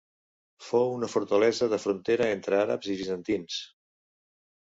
Fou una fortalesa de frontera entre àrabs i bizantins.